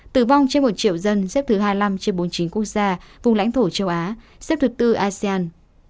tử vong trên một triệu dân xếp thứ hai mươi năm trên bốn mươi chín quốc gia vùng lãnh thổ châu á xếp thứ tư asean